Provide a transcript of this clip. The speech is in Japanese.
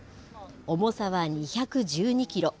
重さは２１２キロ。